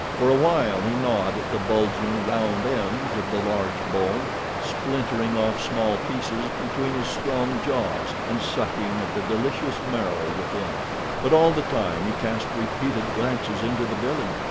For awhile he gnawed at the bulging, round ends of the large bone, splintering off small pieces between his strong jaws, and sucking at the delicious marrow within; but all the time he cast repeated glances into the village.